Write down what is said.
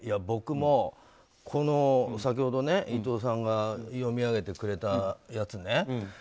僕も、この先ほど伊藤さんが読み上げてくれたやつね。